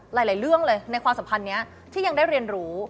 หลายเรื่องเลยในความสัมพันธ์นี้ที่ยังได้เรียนรู้